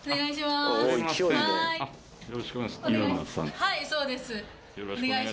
はいそうです。